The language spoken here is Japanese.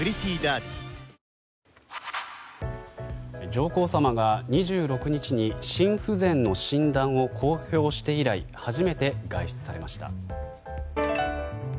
上皇さまが２６日に心不全の診断を公表して以来初めて外出されました。